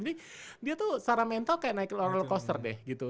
jadi dia tuh secara mental kayak naik roller coaster deh gitu